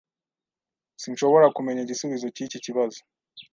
Sinshobora kumenya igisubizo cyiki kibazo.